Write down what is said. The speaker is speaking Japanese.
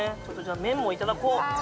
麺もいただこう。